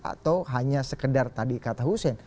atau hanya sekedar tadi kata hussein